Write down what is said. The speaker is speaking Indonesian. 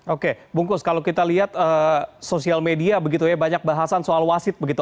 oke bungkus kalau kita lihat sosial media begitu ya banyak bahasan soal wasit begitu